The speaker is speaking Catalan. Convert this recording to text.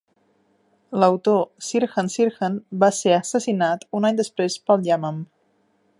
L"autor, Sirhan Sirhan, va ser assassinat un any després pel Yamam.